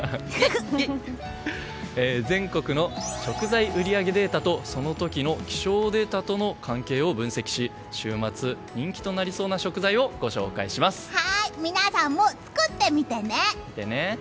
全国の食材売り上げデータとその時の気象データとの関係を分析し週末、人気となりそうな食材を皆さんも作ってみてね！